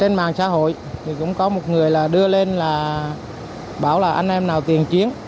trên mạng xã hội thì cũng có một người là đưa lên là bảo là anh em nào tiền chiến